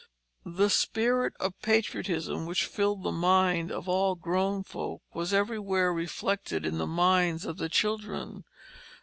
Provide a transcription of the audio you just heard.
The spirit of patriotism which filled the mind of all grown folk was everywhere reflected in the minds of the children.